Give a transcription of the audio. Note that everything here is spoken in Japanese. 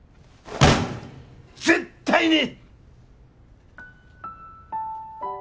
絶対に！